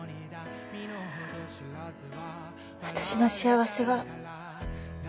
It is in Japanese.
私の幸せは。